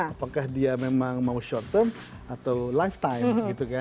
apakah dia memang mau short term atau lifetime